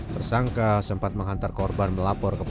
tersangka sempat menghantar korban melaporkan